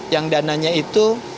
yang dananya itu